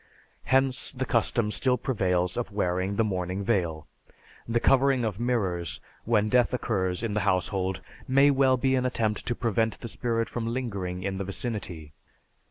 Hence, the custom still prevails of wearing the mourning veil. The covering of mirrors when death occurs in the household may well be an attempt to prevent the spirit from lingering in the vicinity.